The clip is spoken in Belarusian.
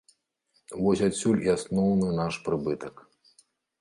Вось адсюль і асноўны наша прыбытак.